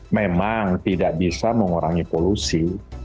memang tidak bisa mengurangi polusi